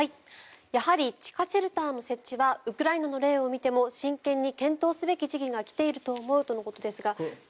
やはり地下シェルターの設置はウクライナの例を見ても真剣に検討すべき時期が来ているということですが。